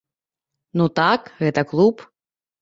Ну, так, гэта клуб.